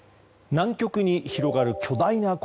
南極に広がる巨大な氷